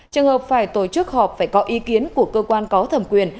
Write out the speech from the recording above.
trường hợp phải tổ chức họp phải có ý kiến của cơ quan có thẩm quyền